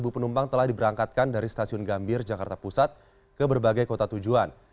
satu ratus sembilan puluh delapan penumpang telah diberangkatkan dari stasiun gambir jakarta pusat ke berbagai kota tujuan